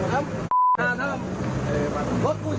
ไฟไม่ดู